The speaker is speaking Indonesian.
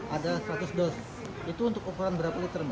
ada seratus dos itu untuk ukuran berapa liter bu